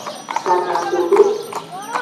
Kadakodo.